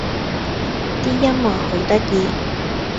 啲音樂好得意